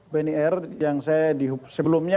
benny r yang saya sebelumnya